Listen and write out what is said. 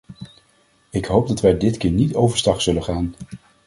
Ik hoop dat wij dit keer niet overstag zullen gaan.